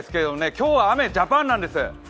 今日は雨、ジャパンなんです。